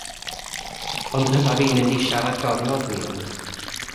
Ond dyma fi yn mynd i siarad gormod, mi wn.